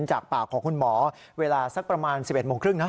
จากปากของคุณหมอเวลาสักประมาณ๑๑โมงครึ่งนะ